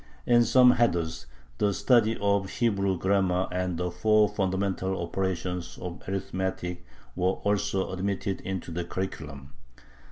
In some heders the study of Hebrew grammar and the four fundamental operations of arithmetic were also admitted into the curriculum.